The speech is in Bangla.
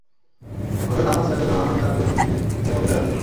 হযরত আব্বাস রাযিয়াল্লাহু আনহু তার পরিজনদের নিয়ে মদীনা যাচ্ছিলেন।